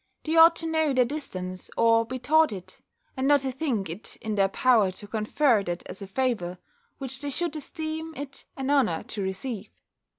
They ought to know their distance, or be taught it, and not to think it in their power to confer that as a favour, which they should esteem it an honour to receive.